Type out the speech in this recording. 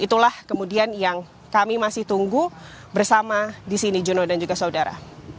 itulah kemudian yang kami masih tunggu bersama di sini jono dan juga saudara